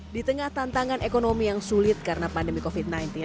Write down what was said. di tengah tantangan ekonomi yang sulit karena pandemi covid sembilan belas